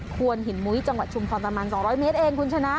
ควนหินมุ้ยจังหวัดชุมพรประมาณ๒๐๐เมตรเองคุณชนะ